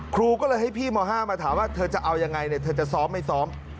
ครูก็เลยให้พี่ม๕มาถามว่าเธอจะเอายังไงเธอจะซ้อมไม่ซ้อม